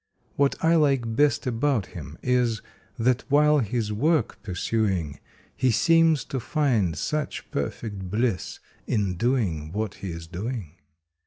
What I like best about him is that while his work pursuing He seems to find such perfect bliss in doing what he s doing.